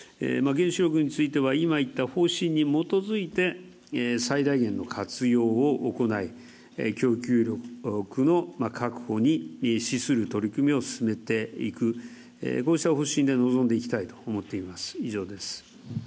原子力については今言った方針に基づいて最大限の活用を行い、供給力の確保に資する取り組みを進めていく、こうした方針でいきたいと思っています。